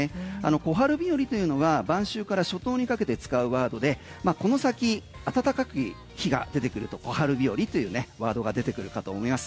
小春日和というのは晩秋から初冬にかけて使うワードでこの先暖かい日が出てくると小春日和というねワードが出てくるかと思います。